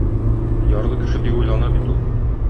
Ярлы кеше бик уйлана бит ул.